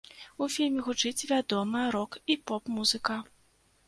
У фільме гучыць вядомая рок і поп-музыка.